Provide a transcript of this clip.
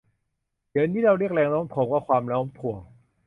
เดี๋ยวนี้เราเรียกแรงโน้มถ่วงว่า ความโน้มถ่วง